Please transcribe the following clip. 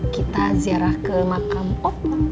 kita ziarah ke makam oktok